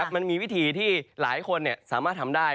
มันมีวิธีที่หลายคนสามารถทำได้